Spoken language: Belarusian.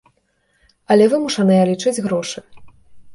Але вымушаная лічыць грошы.